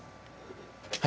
はい